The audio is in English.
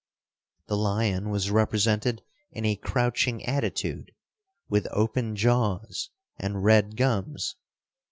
The lion was represented in a crouching attitude, with open jaws and red gums.